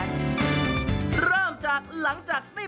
เริ่มจากหลังจากนี้นะครับ